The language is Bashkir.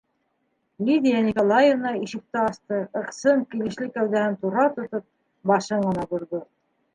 Лидия Николаевна ишекте асты, ыҡсым, килешле кәүҙәһен тура тотоп, башын ғына борҙо.